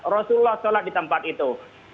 rasulullah sholat di tempat itu